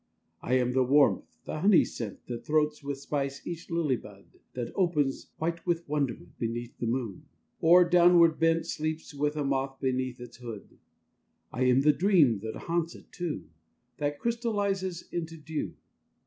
I am the warmth, the honey scent That throats with spice each lily bud That opens, white with wonderment, Beneath the moon; or, downward bent, Sleeps with a moth beneath its hood: I am the dream that haunts it too, That crystallizes into dew.